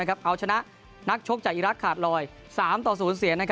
เอาชนะนักชกจากอีรักษ์ขาดลอย๓ต่อ๐เสีย